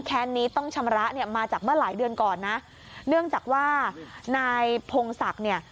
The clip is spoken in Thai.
แค้นนี้ต้องชำระเนี่ยมาจากเมื่อหลายเดือนก่อนนะเนื่องจากว่านายพงศักดิ์เนี่ย